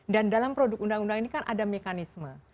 dan dalam produk undang undang ini kan ada mekanisme